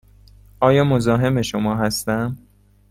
آیا مزاحم شما هستم؟